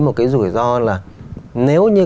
một cái rủi ro là nếu như